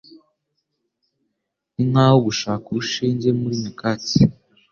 Ninkaho gushaka urushinge muri nyakatsi.